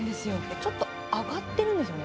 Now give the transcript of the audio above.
ちょっと揚がってるんですよね。